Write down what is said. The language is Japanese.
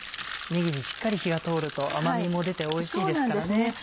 ねぎにしっかり火が通ると甘みも出ておいしいですからね。